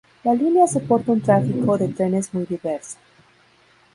La línea soporta un tráfico de trenes muy diverso.